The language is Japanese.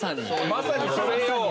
まさにそれ。